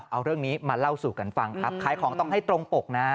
เอาเรื่องนี้มาเล่าสู่กันฟังครับขายของต้องให้ตรงปกนะ